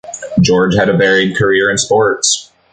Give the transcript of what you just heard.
George had a varied career in sports.